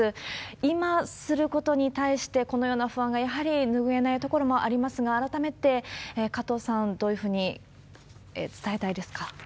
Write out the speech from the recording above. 今することに対して、このような不安が、やはり拭えないところもありますが、改めて加藤さん、どういうふうに伝えたいですか？